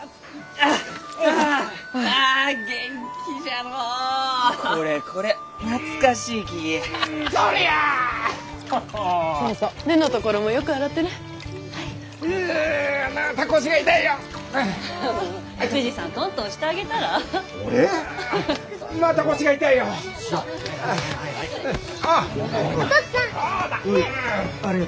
ありがとよ。